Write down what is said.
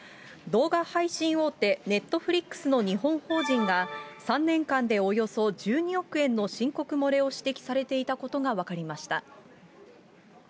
動画配信大手、ネットフリックスの日本法人が、３年間でおよそ１２億円の申告漏れを指摘されていたことが分かりました。